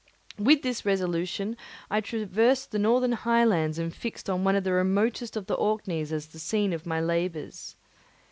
With this resolution I traversed the northern highlands and fixed on one of the remotest of the Orkneys as the scene of my labours.